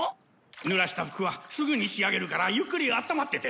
ぬらした服はすぐに仕上げるからゆっくりあったまってて。